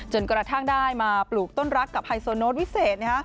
จนกระทั่งได้มาปลูกต้นรักกับไฮโซโน้ตวิเศษ